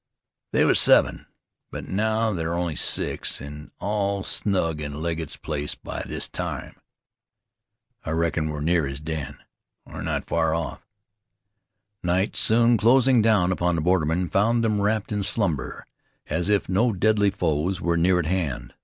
"They was seven; but now there are only six, an' all snug in Legget's place by this time." "I reckon we're near his den." "We're not far off." Night soon closing down upon the bordermen found them wrapped in slumber, as if no deadly foes were near at hand.